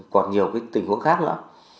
còn nhiều tình huống khác nữa